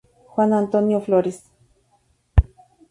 Juan Antonio Flores.